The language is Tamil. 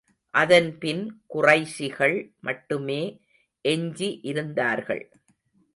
அதன்பின் குறைஷிகள் மட்டுமே எஞ்சி இருந்தார்கள்.